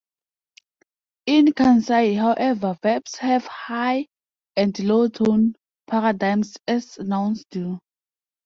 In Kansai, however, verbs have high- and low-tone paradigms as nouns do.